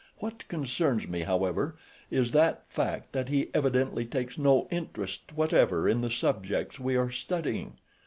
What concerns me, however, is the fact that he evidently takes no interest whatever in the subjects we are studying.